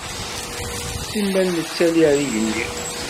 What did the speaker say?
Simmal nettali ar igenni.